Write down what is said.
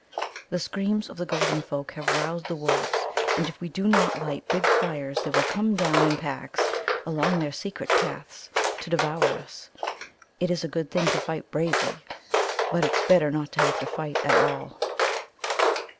"The screams of the golden folk have roused the wolves, and if we do not light big fires they will come down in packs along their secret paths to devour us. It is a good thing to fight bravely, but it's a better not to have to fight at all."